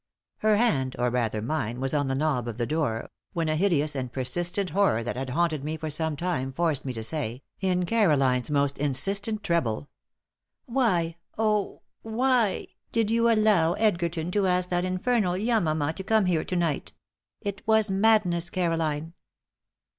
Her hand, or rather mine, was on the knob of the door, when a hideous and persistent horror that had haunted me for some time forced me to say, in Caroline's most insistent treble: "Why oh, why did you allow Edgerton to ask that infernal Yamama to come here to night? It was madness, Caroline."